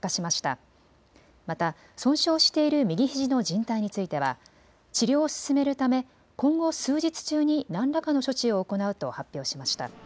また損傷している右ひじのじん帯については治療を進めるため今後、数日中に何らかの処置を行うと発表しました。